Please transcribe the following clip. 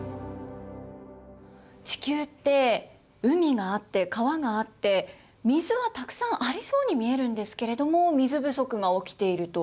地球って海があって川があって、水はたくさんありそうに見えるんですけれども、水不足が起きていると。